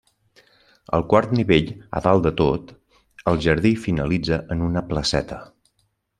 Al quart nivell, a dalt de tot, el jardí finalitza en una placeta.